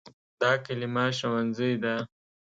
دا کلمه “ښوونځی” ده.